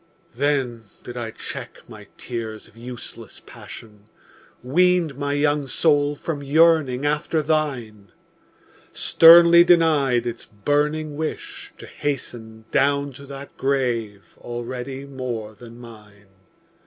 Then did I check my tears of useless passion, Weaned my young soul from yearning after thine, Sternly denied its burning wish to hasten Down to that grave already more than mine!